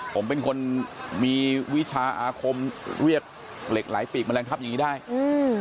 ผมเป็นคนมีวิชาอาคมเรียกเหล็กไหลปีกแมลงทับอย่างงี้ได้อืม